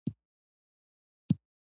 له هیڅ وره ورته رانغلل جوابونه